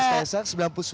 zaman yang beda kali